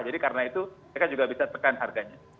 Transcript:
jadi karena itu mereka juga bisa tekan harganya